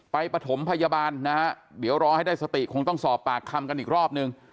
ปฐมพยาบาลนะฮะเดี๋ยวรอให้ได้สติคงต้องสอบปากคำกันอีกรอบนึง